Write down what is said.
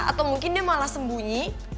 atau mungkin dia malah sembunyi